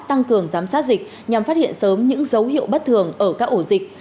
tăng cường giám sát dịch nhằm phát hiện sớm những dấu hiệu bất thường ở các ổ dịch